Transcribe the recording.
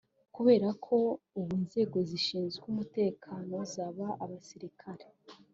Kubera ko ubu inzego zishinzwe umutekano zaba abasirikari